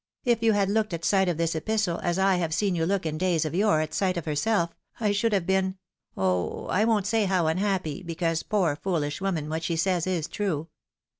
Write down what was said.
" If you had looked, at sight of this epistle, as I have seen you look in days of yore at sight of herself, I should have been — oh! I won't say how unhappy, because, poor foolish woman, what she says is true.